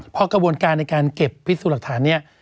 เพราะกระบวนการในการเก็บพิสูจน์หลักฐานเนี่ย